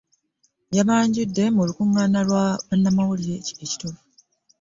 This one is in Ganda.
Yabyanjudde mu lukungaana lwa bannamawulire e Kitovu